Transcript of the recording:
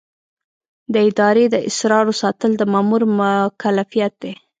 د ادارې د اسرارو ساتل د مامور مکلفیت دی.